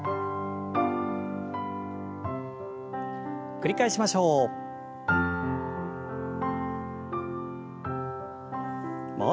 繰り返しましょう。